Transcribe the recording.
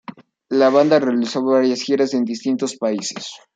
La banda realizó varias giras en distintos países.